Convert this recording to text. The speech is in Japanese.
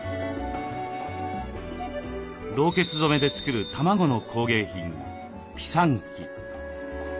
ろうけつ染めで作る卵の工芸品ピサンキ。